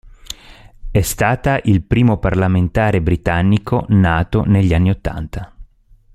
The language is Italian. È stata il primo parlamentare britannico nato negli anni Ottanta.